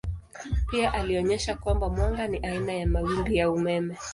Pia alionyesha kwamba mwanga ni aina ya mawimbi ya umeme.